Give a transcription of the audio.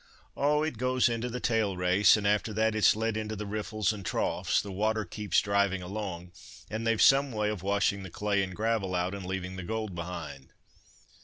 "Oh! it goes into the tail race, and after that it's led into the riffles and troughs—the water keeps driving along, and they've some way of washing the clay and gravel out, and leaving the gold behind."